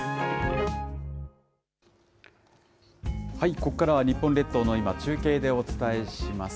ここからは日本列島の今、中継でお伝えします。